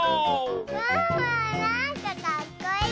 ワンワンなんかかっこいい！